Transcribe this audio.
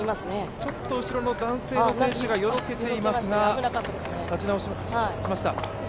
ちょっと後ろの男性の選手がよろけていますが、立ち直しました。